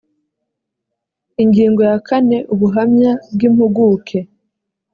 ingingo ya kane ubuhamya bw’impuguke